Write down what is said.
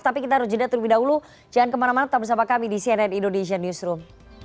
tapi kita harus jeda terlebih dahulu jangan kemana mana tetap bersama kami di cnn indonesian newsroom